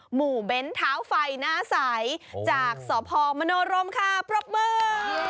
เบ้นเท้าไฟหน้าใสจากสพมโนรมค่ะปรบมือ